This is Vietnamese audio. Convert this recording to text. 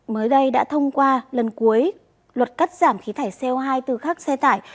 mới đây đã thông qua lần cuối luật cắt giảm khí thải co hai từ khắc xe tải